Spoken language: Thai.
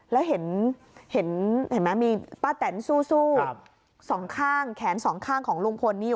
แล้วเห็นไหมมีป้าแตนสู้สองข้างแขนสองข้างของลุงพลนี่